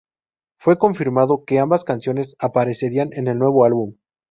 Fue confirmado que ambas canciones aparecerían en el nuevo álbum.